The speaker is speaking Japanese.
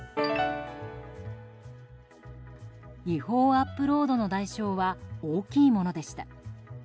違法アップロードの代償は大きいものでした。